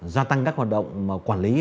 gia tăng các hoạt động quản lý